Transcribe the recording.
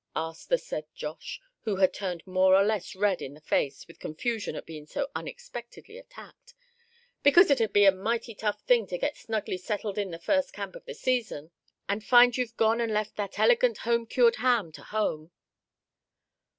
asked the said Josh, who had turned more or less red in the face with confusion at being so unexpectedly attacked, "because it'd be a mighty tough thing to get snugly settled in the first camp of the season, and find you've gone and left that elegant home cured ham to home."